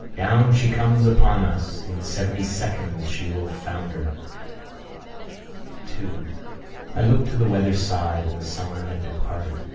Down she comes upon us: in seventy seconds she will founder!" 2. I looked to the weather side, and the summer had departed.